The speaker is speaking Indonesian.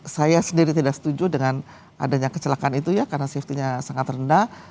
saya sendiri tidak setuju dengan adanya kecelakaan itu ya karena safety nya sangat rendah